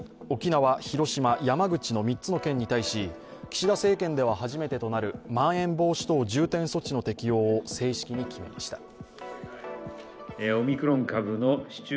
沖縄、広島、山口の３つの県に対し、岸田政権では初めてとなるまん延防止等重点措置の適用を正式に決めました。